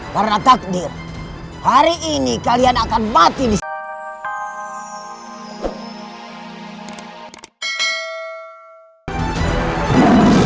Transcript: karena takdir hari ini kalian akan mati disini